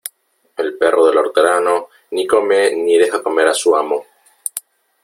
El perro del hortelano ni come, ni deja comer a su amo.